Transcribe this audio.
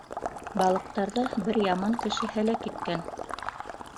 Балыҡтарҙы бер яман кеше һәләк иткән.